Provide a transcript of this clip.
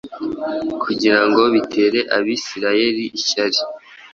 kugira ngo bitere Abisirayeli ishyari.